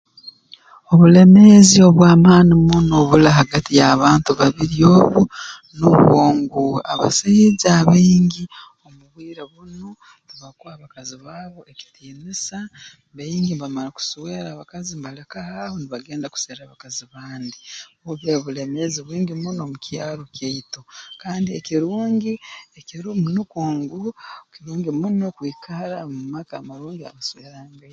Obulemeezi obw'amaani muno obuli hagati y'abantu babiri obu nubwo ngu abasaija abaingi omu obwire bunu tibakuha bakazi baabo ekitiinisa baingi mbamara kuswera abakazi mbalekaho aho mbagenda kuserra abakazi bandi obu bubaire bulemeezi bwingi muno mu kyaro kyaitu kandi ekirungi ekirumu nukwo ngu kirungi muno kwikara mu maka amarungi abaswerangaine